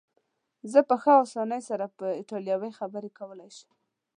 زه په ښه اسانۍ سره په ایټالوي خبرې کولای شم.